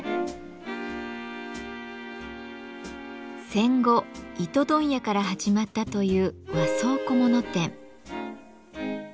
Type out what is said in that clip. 戦後糸問屋から始まったという和装小物店。